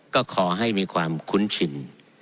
ก็ขอให้มีความคุ้นชิน